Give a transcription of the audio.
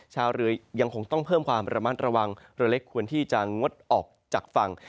ชาวเรือยังคงต้องเพิ่มความระมัดระวังเรือเล็กควรที่จะงดออกจากฝั่ง